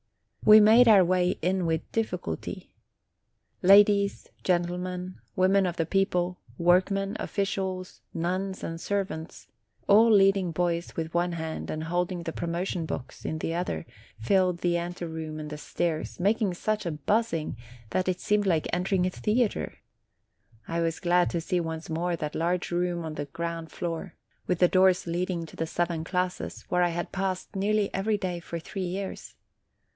We made our way in with difficulty. Ladies, gentlemen, women of the people, workmen, officials, nuns, and servants, all leading boys with one hand, and holding the promotion books in the other, filled the anteroom and the stairs, making such a buzzing, that it seemed like entering a theatre. I was glad to see once more that large room on the ground floor, with the doors leading to the seven classes, where I had passed nearly every day for three years.